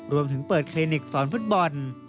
รวมถึงเปิดคลินิกสอนฟุตบอล